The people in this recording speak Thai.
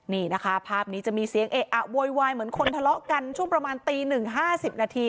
นี่นะคะภาพนี้จะมีเสียงเอะอะโวยวายเหมือนคนทะเลาะกันช่วงประมาณตี๑๕๐นาที